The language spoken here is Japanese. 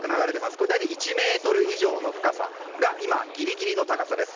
これ、大体１ｍ以上の深さが今、ギリギリの高さです。